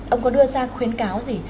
ông có đưa ra khuyến cáo gì